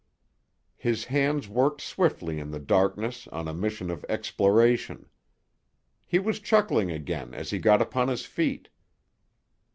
His hands worked swiftly in the darkness on a mission of exploration. He was chuckling again as he got upon his feet.